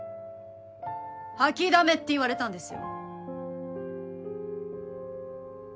掃きだめって言われたんですよ